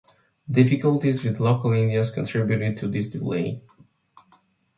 Difficulties with local Indians contributed to this delay.